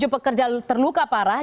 tujuh pekerja terluka parah